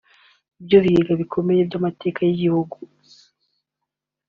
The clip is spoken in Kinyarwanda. Ibyo bigega bikomeye by’amateka y’igihugu